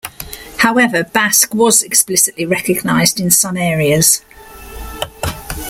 However, Basque was explicitly recognized in some areas.